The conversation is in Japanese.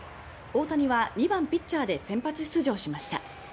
大谷は２番ピッチャーで先発出場しました。